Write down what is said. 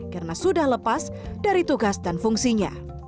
karena sudah lepas dari tugas dan fungsinya